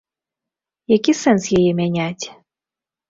Які сэнс яе мяняць?